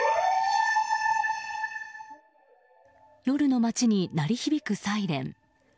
夜の街に鳴り響くサイレン。